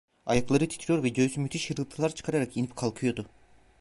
Ayakları titriyor ve göğsü müthiş hırıltılar çıkararak inip kalkıyordu.